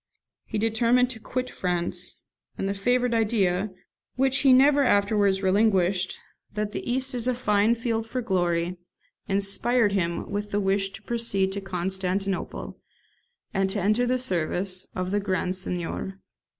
He determined to quit France; and the favourite idea, which he never afterwards relinquished, that the East is a fine field for glory, inspired him with the wish to proceed to Constantinople, and to enter the service of the Grand Seignior.